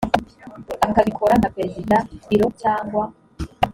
akabikora nka perezida biro cyangwa